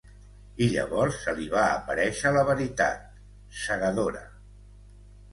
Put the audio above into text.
I llavors se li va aparèixer la veritat, cegadora.